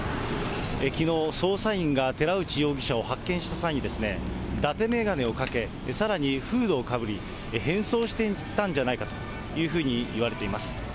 きのう、捜査員が寺内容疑者を発見した際に、だて眼鏡をかけ、さらにフードをかぶり、変装していたんじゃないかというふうにいわれています。